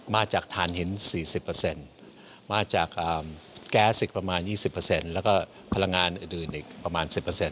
มาจากฐานหิน๔๐มาจากแก๊สอีกประมาณ๒๐แล้วก็พลังงานอื่นอีกประมาณ๑๐